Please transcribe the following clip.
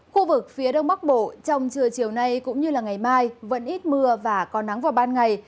khu vực phía đông bắc bộ trong trưa chiều nay cũng như ngày mai vẫn ít mưa và có nắng vào ban ngày